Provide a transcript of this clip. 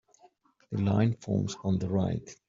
The line forms on the right.